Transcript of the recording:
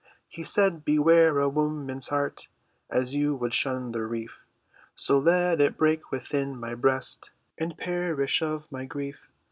"He said, 'Beware a woman's heart As you would shun the reef.'" "So let it break within my breast, And perish of my grief."